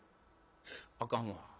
あかんわ。